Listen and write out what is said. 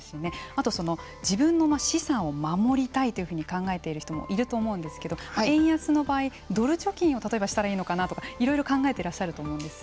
あと自分の資産を守りたいというふうに考えている人もいると思うんですけれども円安の場合ドル貯金をしたらいいのかなとかいろいろ考えてらっしゃると思うんです。